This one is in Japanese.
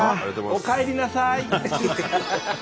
おかえりなさい！